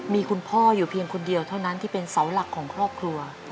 มีคุณพ่ออยู่เพียงคนเดียวเท่านั้นที่เป็นเสาหลักของครอบครัว